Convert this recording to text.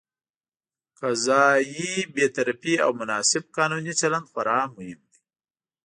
قضايي بېطرفي او مناسب قانوني چلند خورا مهم دي.